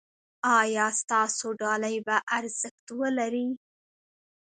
ایا ستاسو ډالۍ به ارزښت ولري؟